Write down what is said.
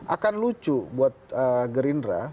akan lucu buat gerindra